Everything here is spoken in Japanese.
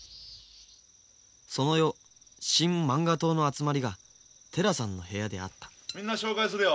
その夜新漫画党の集まりが寺さんの部屋であったみんな紹介するよ。